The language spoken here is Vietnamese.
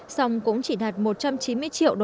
song cũng chỉ đạt một trăm chín mươi triệu usd